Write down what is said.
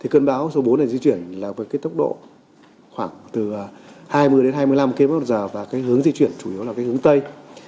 cơn bão số bốn di chuyển với tốc độ khoảng hai mươi hai mươi năm kmh và hướng di chuyển chủ yếu là hướng tây